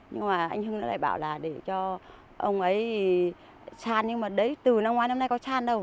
nhưng mà anh hưng lại bảo là để cho ông ấy xan nhưng mà đấy từ năm ngoái năm nay có xan đâu